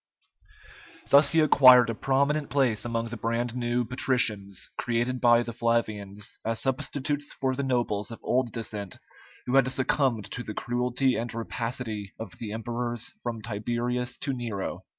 Thus he acquired a prominent place among the brand new patricians created by the Flavians as substitutes for the nobles of old descent who had succumbed to the cruelty and rapacity of the emperors from Tiberius to Nero.